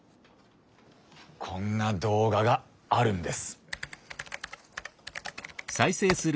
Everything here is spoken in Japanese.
こんな動画があるんです。